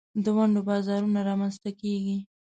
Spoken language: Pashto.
د ونډو بازارونه رامینځ ته کیږي.